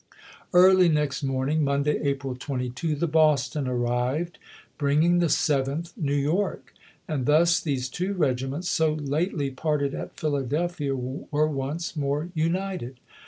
Early next morning (Monday, April 22) the Boston arrived, bringing the Seventh New York ; and thus these two regiments, so lately parted at Philadelphia, were once more united.